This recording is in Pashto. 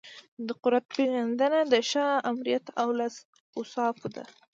د قدرت پیژندنه د ښه آمریت له اوصافو ده.